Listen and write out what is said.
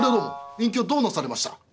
隠居どうなされました？」。